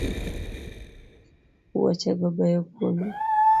Wuoche go beyo kuomi